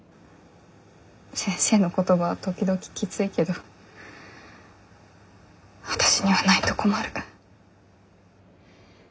先生の言葉は時々きついけど私にはないと困る。